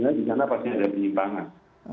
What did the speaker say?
bukan ada bencana pasti ada penyimpangan